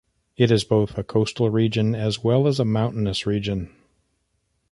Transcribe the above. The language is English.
It is both a coastal region as well as a mountainous region.